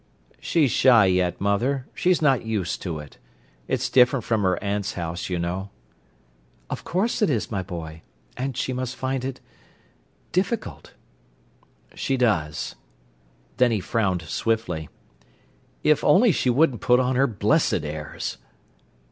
"She's shy yet, mother. She's not used to it. It's different from her aunt's house, you know." "Of course it is, my boy; and she must find it difficult." "She does." Then he frowned swiftly. "If only she wouldn't put on her blessed airs!"